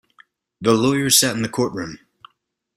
The lawyer sat in the courtroom.